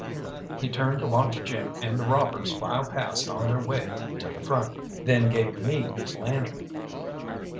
He turned to watch Jim and the robbers file past on their way to the front, then gave me his lantern.